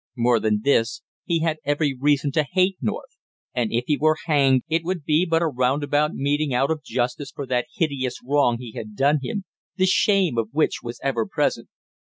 More than this, he had every reason to hate North, and if he were hanged it would be but a roundabout meting out of justice for that hideous wrong he had done him, the shame of which was ever present.